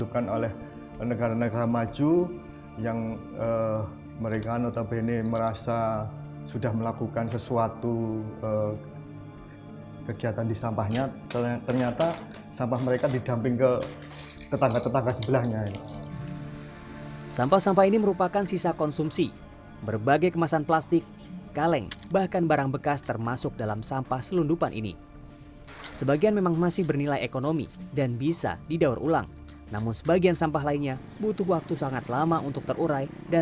kertas bekas ini tidak hanya memiliki kertas bekas tetapi juga memiliki kertas yang berbeda